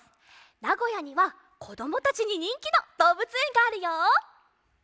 なごやにはこどもたちににんきのどうぶつえんがあるよ！